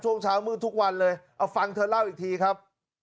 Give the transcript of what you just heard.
ช่วงเช้ามืดทุกวันเลยเอาฟังเธอเล่าอีกทีครับ